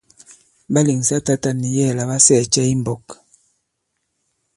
Ɓa lèŋsa tǎta nì yɛ̌ɛ̀ la ɓa sɛɛ̀ cɛ i mbɔ̄k?